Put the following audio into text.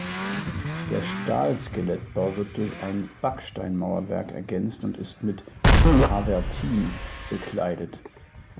Der Stahlskelettbau wird durch ein Backsteinmauerwerk ergänzt und ist mit Travertin bekleidet.